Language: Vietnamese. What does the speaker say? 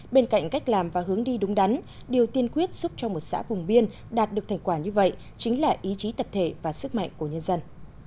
bên cạnh cách làm và hướng đi đúng đắn điều tiên quyết giúp cho một xã vùng biên đạt được thành quả như vậy chính là ý chí tập thể và sức mạnh của nhân dân